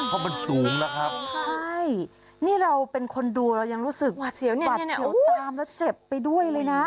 เพราะมันสูงนะครับใช่นี่เราเป็นคนดูเรายังรู้สึกหวัดเสียวตามแล้วเจ็บไปด้วยเลยนะ